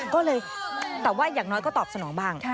ก็เลยแต่ว่าอย่างน้อยก็ตอบสนองบ้าง